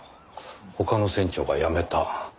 他の船長が辞めた。